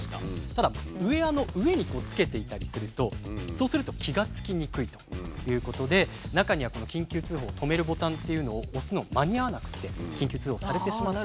ただウエアの上につけていたりするとそうすると気が付きにくいということで中にはこの緊急通報を止めるボタンっていうのを押すのが間に合わなくて緊急通報されてしまったと。